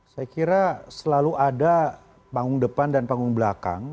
saya kira selalu ada panggung depan dan panggung belakang